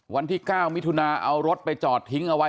วันที่๙มิถุนาเอารถไปจอดทิ้งเอาไว้